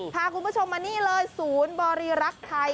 พาคุณผู้ชมมานี่เลยศูนย์บริรักษ์ไทย